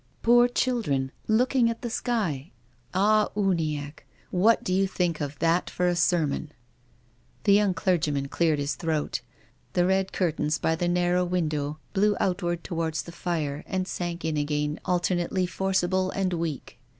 Poor children, looking at the sky ! Ah, Uniacke, what do you think of that for a sermon ?" The young clergyman cleared his throat. The red curtains by the narrow window blew outward towards the fire, and sank in again, alternately forcible and weak.